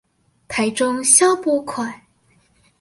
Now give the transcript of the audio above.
台中消波塊